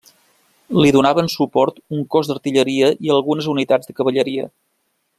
Li donaven suport un cos d'artilleria i algunes unitats de cavalleria.